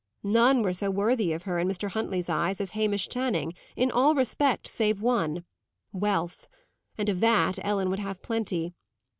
None were so worthy of her, in Mr. Huntley's eyes, as Hamish Channing, in all respects save one wealth; and, of that, Ellen would have plenty.